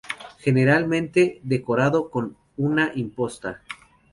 Generalmente decorado con una imposta.